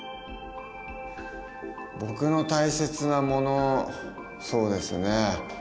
僕の大切なものそうですね。